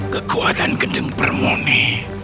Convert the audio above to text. kekuatan geng permuni